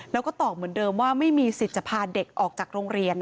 แล้วก็ตอบเหมือนเดิมว่าไม่มีสิทธิ์จะพาเด็กออกจากโรงเรียน